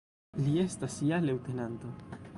Li estas ja leŭtenanto.